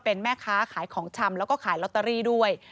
เป็นแม่ค้าขายของชำแล้วก็ขายลอตเตอรี่ด้วย